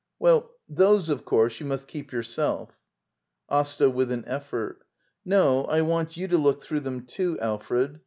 Well, those, of course, you must keep yourself. Asta. [With an effort.] No; I want you to look through them, too, Alfred.